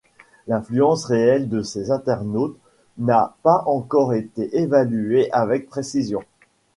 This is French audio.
L'influence réelle de ces internautes n'a pas encore été évaluée avec précision.